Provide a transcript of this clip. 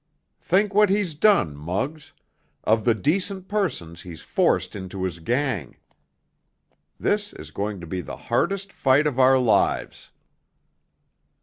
Think what he's done, Muggs—of the decent persons he's forced into his gang! This is going to be the hardest fight of our lives."